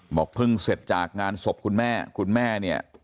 บอกเพิ่งเสร็จจากงานศพคุณแม่คุณแม่เนี่ย